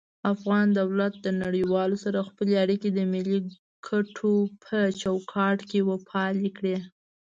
افغان دولت نړيوالو سره خپلی اړيکي د ملي کټو په چوکاټ کي وپالی کړي